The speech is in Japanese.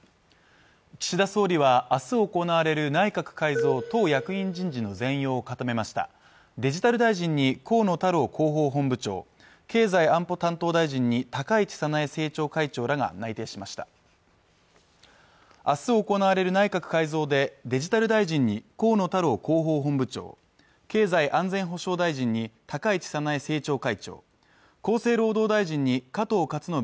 岸田総理はあす行われる内閣改造・党役員人事の全容を固めましたデジタル大臣に河野太郎広報本部長経済安保担当大臣に高市早苗政調会長らが内定しましたあす行われる内閣改造でデジタル大臣に河野太郎広報本部長経済安全保障大臣に高市早苗政調会長厚生労働大臣に加藤勝信